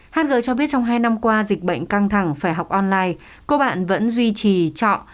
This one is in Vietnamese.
hg cho biết trong hai năm qua dịch bệnh căng thẳng phải học online cô bạn vẫn duy trì trọ